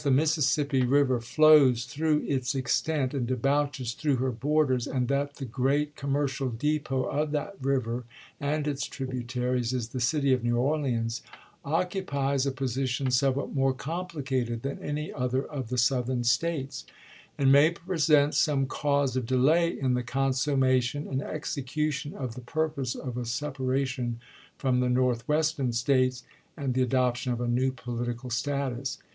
Mississippi River flows through its extent and debouches through her borders, and that the great commercial depot of that river and its tributaries is the city of New Orleans, occupies a position somewhat more complicated than any other of the Southern States, and may present some cause of delay in the consummation and execution of the purpose of a separation from the Northwestern States, and the adoption of a new political status."